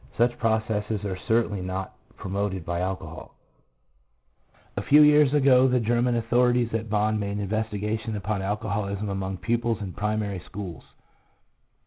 Such processes are certainly not promoted by alcohol." 1 A tew years ago the German authorities at Bonn made an investigation upon alcoholism among pupils in primary schools.